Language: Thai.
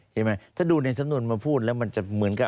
ใช่ไหมถ้าดูในสำนวนมาพูดแล้วมันจะเหมือนกับ